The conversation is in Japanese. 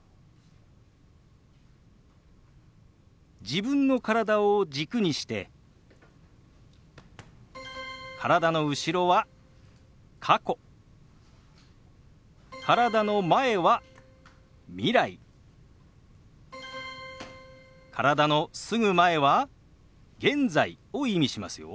自分の体を軸にして体の後ろは過去体の前は未来体のすぐ前は現在を意味しますよ。